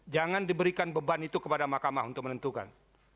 jangan diberikan beban itu kepada mahkamah untuk menentukan